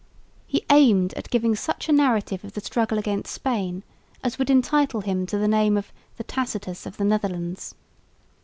He aimed at giving such a narrative of the struggle against Spain as would entitle him to the name of "the Tacitus of the Netherlands."